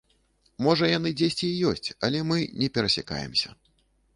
Можа яны дзесьці і ёсць, але мы не перасякаемся.